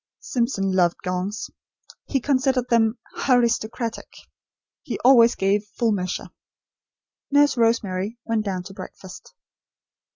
Simpson loved gongs. He considered them "Haristocratic." He always gave full measure. Nurse Rosemary went down to breakfast.